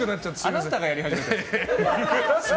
あなたがやり始めたんです。